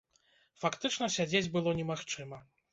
Фактычна сядзець было немагчыма.